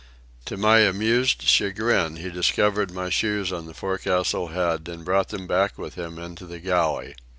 To my amused chagrin, he discovered my shoes on the forecastle head and brought them back with him into the galley.